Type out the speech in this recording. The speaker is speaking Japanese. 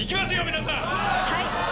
皆さん！